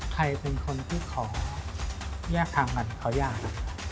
ใครเป็นคนที่ขอแยกทางกันขอยากนะ